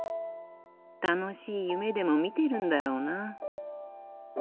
楽しい夢でも見てるんだろうな。